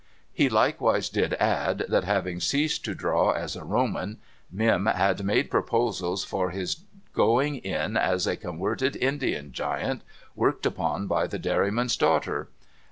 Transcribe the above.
He likewise did add, that, having ceased to draw as a Roman, Mini had made proposals for his going in as a conwerted Indian Giant worked upon by The Dairyman's Daughter.